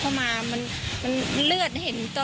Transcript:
เพราะมันเลือดเห็นต้นเลือดอย่างนี้แล้วไว้